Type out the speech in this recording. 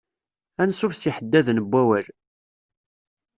Ansuf s yiḥeddaden n wawal.